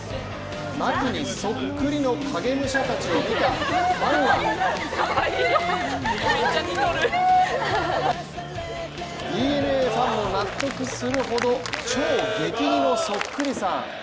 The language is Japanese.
牧にそっくりの影武者たちを見たファンたちはＤｅＮＡファンも納得するほど超激似のそっくりさん。